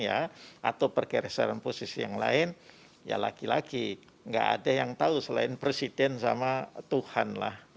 atau bergerak ke posisi yang lain ya lagi lagi enggak ada yang tahu selain presiden sama tuhan